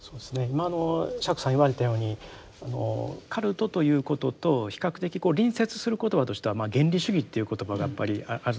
今の釈さん言われたようにカルトということと比較的隣接する言葉としては原理主義という言葉がやっぱりあると思うんですよね。